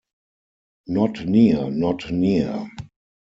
'Not near, not near!